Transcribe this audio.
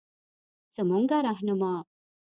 زمونره رهنما